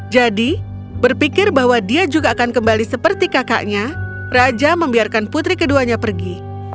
jadi berpikir bahwa dia juga akan kembali seperti kakaknya raja membiarkan putri keduanya pergi